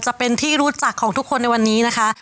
จะเป็นที่รู้จักของทุกคนในวันนี้นะคะ